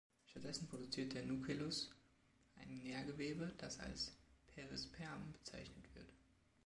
Stattdessen produziert der Nucellus ein Nährgewebe, das als "Perisperm" bezeichnet wird.